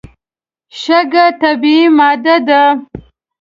شګه طبیعي ماده ده.